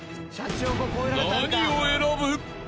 ［何を選ぶ？］